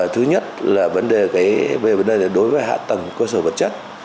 thứ nhất là vấn đề về vấn đề là đối với hạ tầng cơ sở vật chất